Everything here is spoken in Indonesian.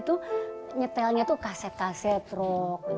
setiap hari tuh nyetelnya tuh kaset kaset rock